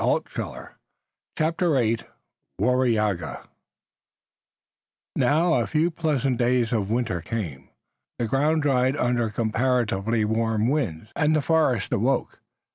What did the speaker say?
CHAPTER VIII WARAIYAGEH Now, a few pleasant days of winter came. The ground dried under comparatively warm winds, and the forest awoke.